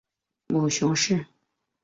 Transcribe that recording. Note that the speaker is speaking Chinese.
母熊氏。